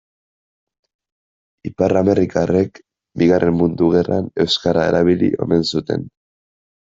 Ipar-amerikarrek Bigarren Mundu Gerran euskara erabili omen zuten.